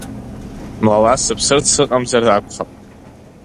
Млала сыԥсырц сыҟамзар акәхап!